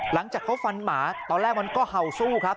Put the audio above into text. หลังจากเขาฟันหมาตอนแรกมันก็เห่าสู้ครับ